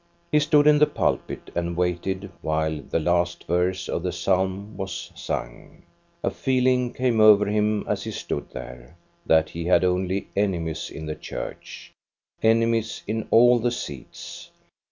He stood in the pulpit and waited while the last verse of the psalm was sung. A feeling came over him as he stood there, that he had only enemies in the church, enemies in all the seats.